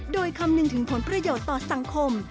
โดยคำนึงถึงผลประโยชน์ต่อสังคม